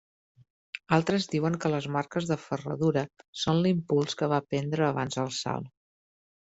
Altres diuen que les marques de ferradura són l'impuls que va prendre abans del salt.